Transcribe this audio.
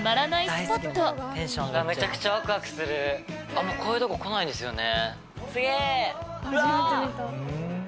スポットあんまこういうとこ来ないんですよね。